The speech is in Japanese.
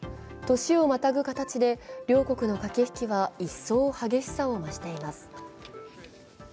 年をまたぐ形で両国の駆け引きは一層激しさを増しています。